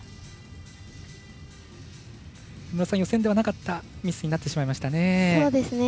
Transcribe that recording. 予選ではなかったミスになってしまいましたね。